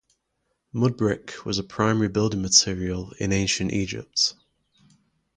Mud brick was a primary building material in ancient Egypt.